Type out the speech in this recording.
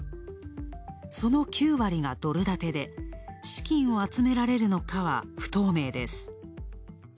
その９割がドル建てで資金を集められるのかは不透明です。